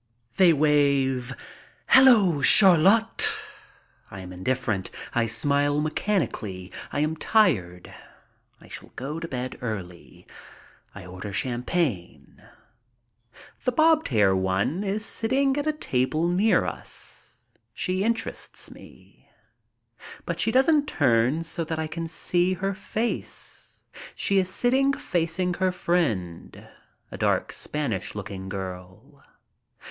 They wave, "Hello, Chariot!" I am indifferent. I smile mechanically. I am tired. I shall go to bed early. I order champagne. The bobbed hair one is sitting at a table near us. She interests me. But she doesn't turn so that I can see her face. She is sitting facing her friend, a dark, Spanish looking girl.